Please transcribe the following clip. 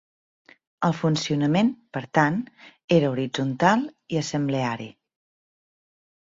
El funcionament, per tant, era horitzontal i assembleari.